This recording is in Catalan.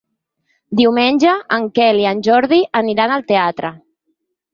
Diumenge en Quel i en Jordi aniran al teatre.